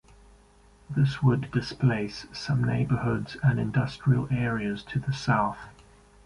This would displace some neighborhoods and industrial areas to the south.